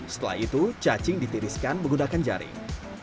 setelah itu cacing ditiriskan menggunakan jaring